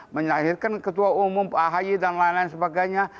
menyahirkan ketua umum ahi dan lain lain sebagainya